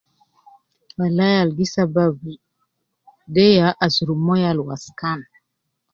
Walai al gi sababu, de ya asurub moyo al wasakan